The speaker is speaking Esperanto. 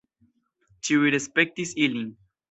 Ĉiuj respektis ilin.